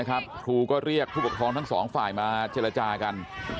ครูก็เรียกผู้ปกครองทั้งสองฝ่ายมาเจรจากัน